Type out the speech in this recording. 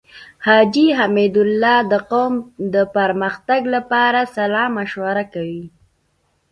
حاجی حميدالله د قوم د پرمختګ لپاره صلاح مشوره کوي.